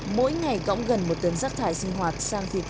mỗi ngày gõng gần một tấn rác thải sinh hoạt sang khí cực tệ